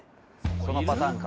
そのパターンか。